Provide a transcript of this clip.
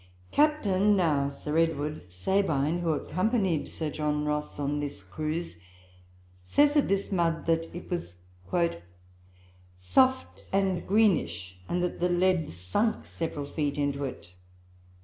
Captain (now Sir Edward) Sabine, who accompanied Sir John Ross on this cruise, says of this mud that it was "soft and greenish, and that the lead sunk several feet into it."